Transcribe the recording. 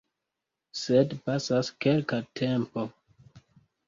Sed pasas kelka tempo.